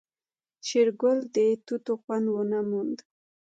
شېرګل د توت خوند ونه موند.